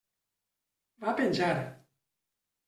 Va penjar.